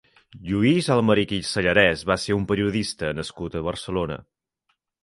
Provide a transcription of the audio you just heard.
Lluís Almerich i Sellarés va ser un periodista nascut a Barcelona.